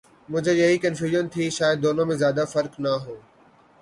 مجھے یہی کنفیوژن تھی شاید دونوں میں زیادہ فرق نہ ہو۔۔